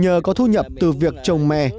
nhờ có thu nhập từ việc chồng mẹ